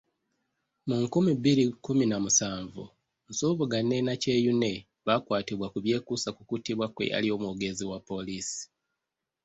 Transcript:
Mu nkumi bbiri kumina musanvu, Nsubuga ne Nakyeyune baakwatibwa ku byekuusa kukuttibwa kweyali omwogezi wa Poliisi.